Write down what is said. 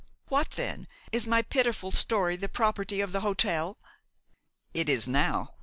"What, then? Is my pitiful story the property of the hotel?" "It is now.